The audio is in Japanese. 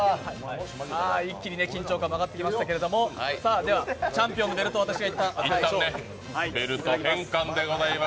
一気に緊張感も上がってきましたけれども、チャンピオンベルトを私がいったん預かります。